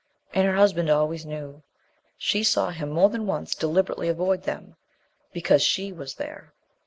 And her husband always knew. She saw him more than once deliberately avoid them because she was there.